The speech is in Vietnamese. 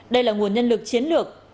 đây là nguồn nhân lực chiến lược